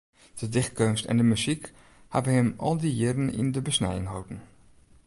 De dichtkeunst en de muzyk hawwe him al dy jierren yn de besnijing holden.